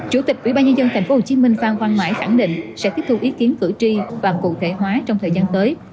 chủ tịch ubnd tp hcm phan hoàng mãi khẳng định sẽ tiếp thu ý kiến cử tri và cụ thể hóa trong thời gian tới